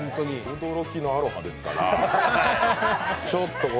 驚きのアロハですから。